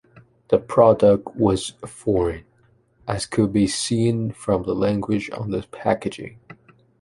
The product was foreign, as could be seen from the language on the packaging.